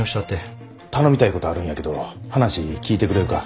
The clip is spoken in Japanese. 頼みたいことあるんやけど話聞いてくれるか？